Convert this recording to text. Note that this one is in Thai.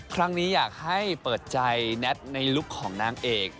ครั้งนี้อยากให้เปิดใจแนทเป็นรู้สึกของนางเอก